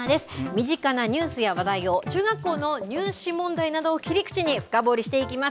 身近なニュースや話題を、中学校の入試問題などを切り口に深掘りしていきます。